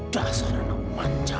dasar anak manja